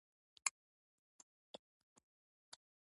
ښوونځی زموږ خوبونه رښتیا کوي